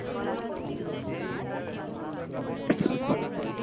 যাতে কোনো সমস্যার সৃষ্টি না হয়।